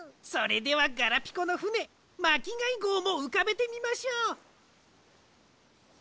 それではガラピコのふねまきがいごうもうかべてみましょう。